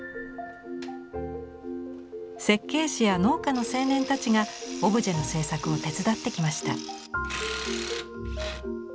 設計士や農家の青年たちがオブジェの制作を手伝ってきました。